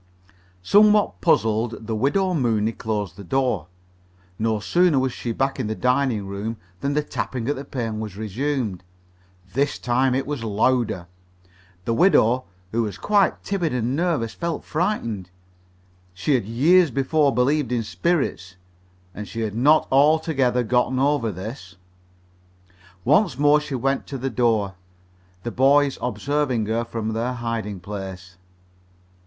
Somewhat puzzled, the Widow Mooney closed the door. No sooner was she back in the dining room than the tapping at the pane was resumed. This time it was louder. The widow, who was quite timid and nervous, felt frightened. She had years before believed in spirits, and she had not altogether gotten over this. Once more she went to the door, the boys observing her from their hiding place.